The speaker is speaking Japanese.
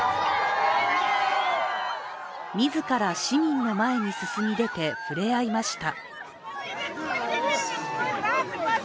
自ら市民の前に進み出て触れ合いました。